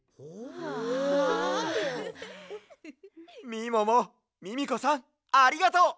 みももミミコさんありがとう！